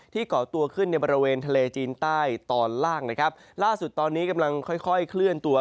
ก่อตัวขึ้นในบริเวณทะเลจีนใต้ตอนล่างนะครับล่าสุดตอนนี้กำลังค่อยค่อยเคลื่อนตัว